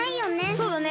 そうだね。